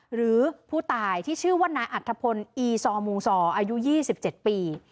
หรือผู้ตายที่ชื่อว่านายอัธพลอีซอมูงซออายุ๒๗ปี